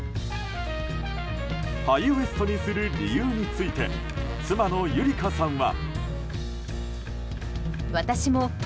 ハイウエストにする理由について妻のゆり香さんは。